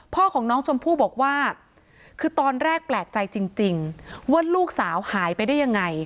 พ่อของน้องชมพู่บอกว่าคือตอนแรกแปลกใจจริงว่าลูกสาวหายไปได้ยังไง